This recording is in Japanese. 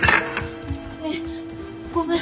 ねぇごめん。